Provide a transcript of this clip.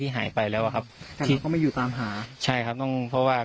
หายไปแล้วอ่ะครับทีก็ไม่อยู่ตามหาใช่ครับต้องเพราะว่า